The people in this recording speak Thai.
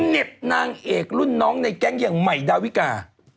เห็บนางเอกรุ่นน้องในแก๊งอย่างใหม่ดาวิกา